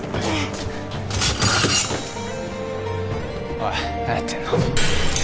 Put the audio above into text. おい何やってんの